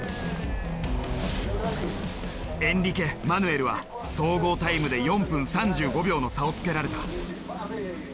エンリケマヌエルは総合タイムで４分３５秒の差をつけられた。